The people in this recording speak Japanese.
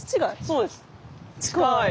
そうです。